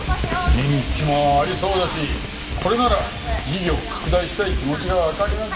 人気もありそうだしこれなら事業拡大したい気持ちがわかりますよ。